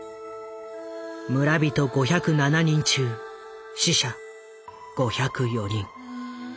村人５０７人中死者５０４人。